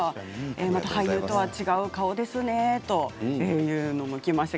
また俳優とは違う顔ですね、ときました。